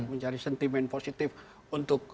mencari sentimen positif untuk